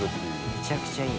めちゃくちゃいい。